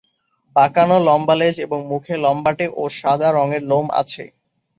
বাঁকানো, লম্বা লেজ এবং মুখে লম্বাটে ও সাদা রঙের লোম আছে।